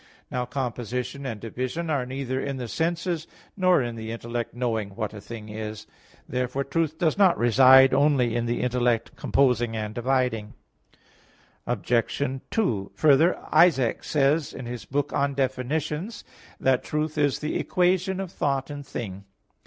Now composition and division are neither in the senses nor in the intellect knowing "what a thing is." Therefore truth does not reside only in the intellect composing and dividing. Obj. 2: Further, Isaac says in his book On Definitions that truth is the equation of thought and thing.